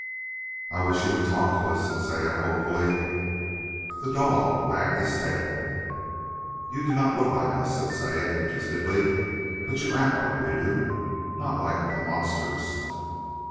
"I wish you would talk to us," said Saya hopefully. The dog wagged his tail. "You do not look like us," said Saya interestedly, "but you act like we do. Not like the Monsters."